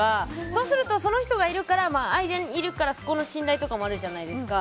そうすると、その人が間にいるからそこの信頼とかもあるじゃないですか。